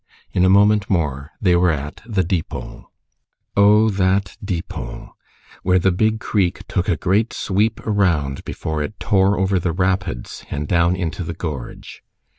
In a moment more they were at the Deepole. O! that Deepole! Where the big creek took a great sweep around before it tore over the rapids and down into the gorge.